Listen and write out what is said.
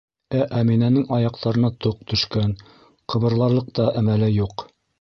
Ә Әминәнең аяҡтарына тоҡ төшкән, ҡыбырларлыҡ та әмәле юҡ.